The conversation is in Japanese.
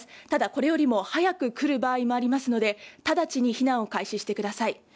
ただこれよりも早く来る場合もありますので、直ちに避難を開始してください。